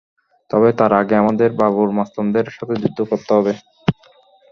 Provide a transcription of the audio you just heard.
তবে তার আগে, আমাদের বাবুর মাস্তানদের সাথে যুদ্ধ করতে হবে।